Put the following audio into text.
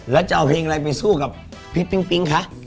แล้วจะเอาเพลงอะไรไปสู้กับพี่ปิ๊งปิ๊งคะ